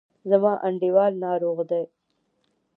زما انډیوال ناروغ دی.